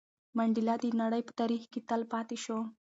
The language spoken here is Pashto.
منډېلا د نړۍ په تاریخ کې تل پاتې شو.